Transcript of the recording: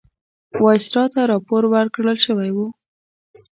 وایسرا ته راپور ورکړل شوی وو.